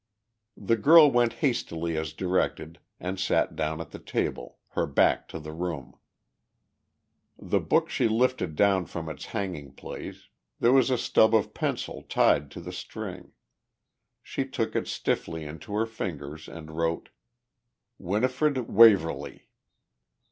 The girl went hastily as directed and sat down at the table, her back to the room. The book she lifted down from its hanging place; there was a stub of pencil tied to the string. She took it stiffly into her fingers and wrote, "Winifred Waverly."